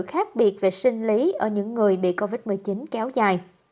khác biệt về sinh lý ở những người bị covid một mươi chín kéo dài